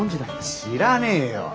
知らねえよ。